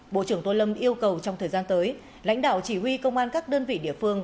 bộ trưởng tô lâm yêu cầu trong thời gian tới lãnh đạo chỉ huy công an các đơn vị địa phương